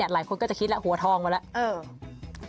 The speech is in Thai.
หลายคนก็จะคิดแล้วหัวทองมาแล้ว